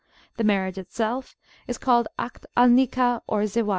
The marriage itself is called Akd al Nikah or Ziwaj.